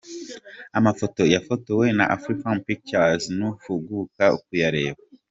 Amafoto yafotowe na Afrifame Pictures ntuhuga kuyareba.